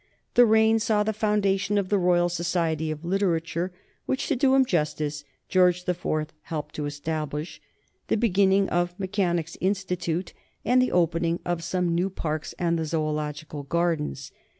The reign saw the foundation of the Royal Society of Literature, which, to do him justice, George the Fourth helped to establish; the beginning of Mechanics' Institute, and the opening of some new parks and the Zoological Gardens.